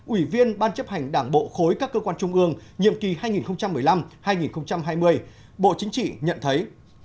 ủy viên ban chấp hành đảng bộ khối các cơ quan trung ương nhiệm kỳ hai nghìn một mươi năm hai nghìn hai mươi bộ chính trị nhận thấy